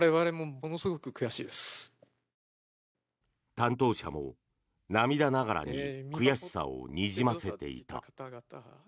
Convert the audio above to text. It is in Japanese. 担当者も涙ながらに悔しさをにじませていた。